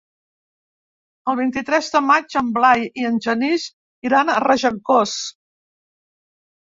El vint-i-tres de maig en Blai i en Genís iran a Regencós.